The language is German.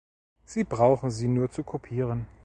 Sie brauchen sie nur zu kopieren.